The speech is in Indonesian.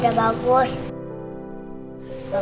ditambah lagi buat mas gafin sama jaka